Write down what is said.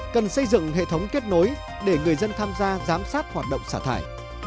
cần xây dựng hệ thống kết nối để người dân tham gia giám sát hoạt động xả thải